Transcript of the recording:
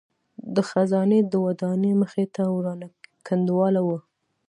د خزانې د ودانۍ مخې ته ورانه کنډواله وه.